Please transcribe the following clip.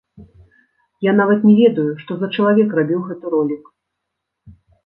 Я нават не ведаю, што за чалавек рабіў гэты ролік.